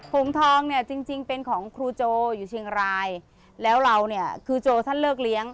ถุงทองเนี่ยจริงจริงเป็นของครูโจอยู่เชียงรายแล้วเราเนี่ยคือโจท่านเลิกเลี้ยง